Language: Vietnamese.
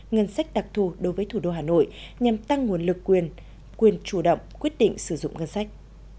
ngân sách đặc thù đối với thủ đô hà nội nhằm tăng nguồn lực quyền quyền chủ động quyết định sử dụng ngân sách